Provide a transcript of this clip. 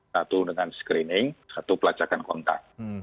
satu dengan screening satu pelacakan kontak